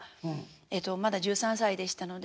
えっとまだ１３歳でしたので。